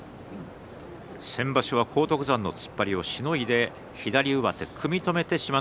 先場所は荒篤山の突っ張りをしのいで左上手、組み止めて志摩ノ